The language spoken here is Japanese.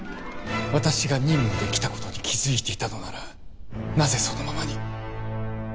私が任務で来たことに気づいていたのならなぜそのままに？